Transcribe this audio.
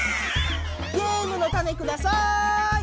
ゲームのタネください！